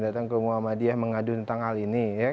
datang ke muhammadiyah mengadun tentang hal ini ya